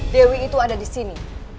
dewi itu ada disini